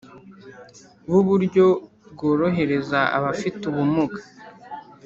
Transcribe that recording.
bu buryo bworohereza abafite ubumuga